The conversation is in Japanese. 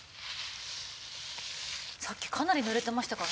さっきかなり濡れてましたからね。